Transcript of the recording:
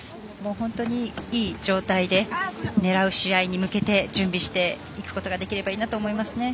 本当にいい状態で狙う試合に向けて準備していくことができればいいなと思いますね。